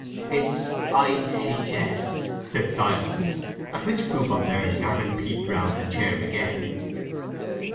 "It's I. H. S.," said Silas, at which proof of learning Aaron peeped round the chair again.